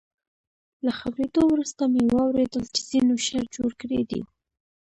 له خپرېدو وروسته مې واورېدل چې ځینو شر جوړ کړی دی.